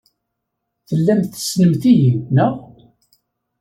Tellamt tessnemt-iyi, naɣ?